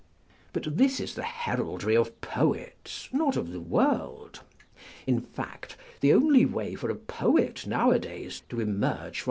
But this is the heraldry of poets, not of the world. In fact, the only way for a poet now a days to emerge from 512 On Respectable People.